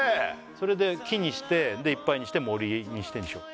それで木にしてでいっぱいにして森にしてんでしょ？